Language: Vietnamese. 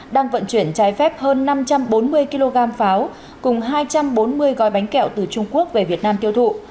đang vận chuyển trái phép hơn năm trăm bốn mươi kg pháo cùng hai trăm bốn mươi gói bánh kẹo từ trung quốc về việt nam tiêu thụ